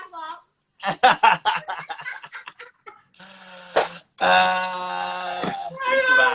aku maunya cikarang nggak mau lepas